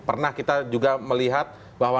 pernah kita juga melihat bahwa